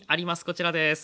こちらです。